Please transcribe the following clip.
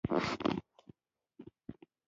دلته د کار کولو د نویو طریقو اړتیا لیدل کېږي